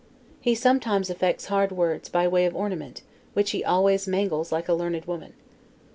He sometimes affects hard words, by way of ornament, which he always mangles like a learned woman.